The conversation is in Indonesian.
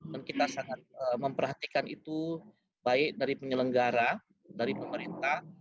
dan kita sangat memperhatikan itu baik dari penyelenggara dari pemerintah